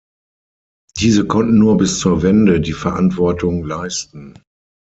Diese konnten nur bis zur Wende die Verantwortung leisten.